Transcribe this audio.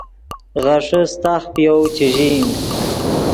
غیݰے ستاخ پے یَؤ چے ژئیم